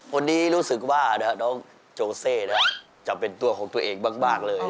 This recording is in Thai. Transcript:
วันนี้รู้สึกว่าน้องโจเซจะเป็นตัวของตัวเองมากเลย